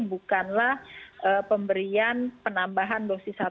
bukanlah pemberian penambahan dosis satu